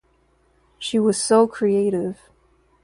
She was so creative.